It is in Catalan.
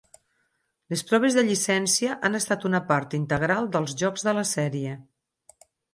Les proves de llicència han estat una part integral dels jocs de la sèrie.